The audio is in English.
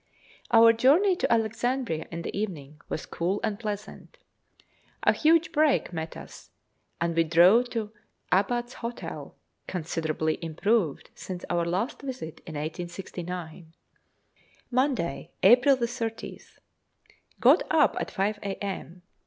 Our journey to Alexandria in the evening was cool and pleasant. A huge break met us, and we drove to Abbat's Hotel considerably improved since our last visit in 1869. Monday, April 30th. Got up at 5 a.m.